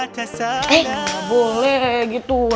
gak boleh gitu